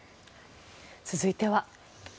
続いては。